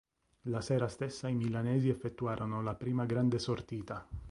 La sera stessa i milanesi effettuarono la prima grande sortita.